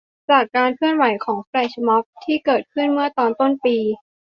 จากการเคลื่อนไหวของ แฟลชม็อบ ที่เกิดขึ้นเมื่อต้นปี